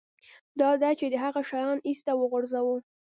دا ده چې هغه شیان ایسته وغورځوه